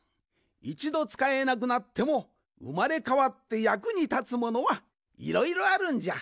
いちどつかえなくなってもうまれかわってやくにたつものはいろいろあるんじゃ。